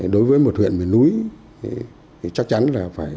đối với một huyện miền núi thì chắc chắn là phải